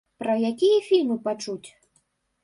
Пра якія фільмы пачуць?